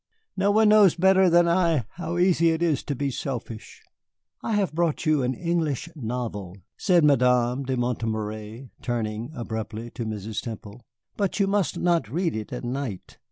No one knows better than I how easy it is to be selfish." "I have brought you an English novel," said Madame de Montoméry, turning abruptly to Mrs. Temple. "But you must not read it at night.